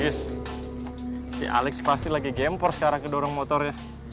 is si alex pasti lagi gempor sekarang kedorong motornya